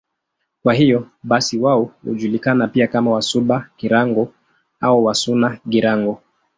Kwa hiyo basi wao hujulikana pia kama Wasuba-Girango au Wasuna-Girango.